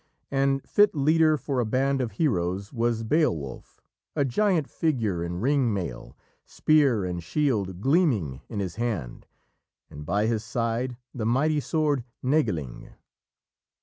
And fit leader for a band of heroes was Beowulf, a giant figure in ring mail, spear and shield gleaming in his hand, and by his side the mighty sword, Nägeling.